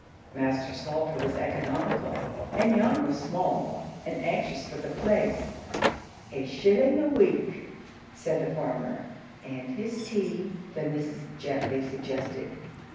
Master Salter was economical, and Jan was small, and anxious for the place. "A shilling a week," said the farmer. "And his tea?" the missus gently suggested.